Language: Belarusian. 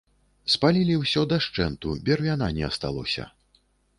Спалілі ўсё дашчэнту, бервяна не асталося.